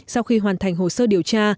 sau khi hoàn thành hồ sơ điều tra